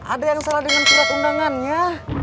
ada yang salah dengan surat undangannya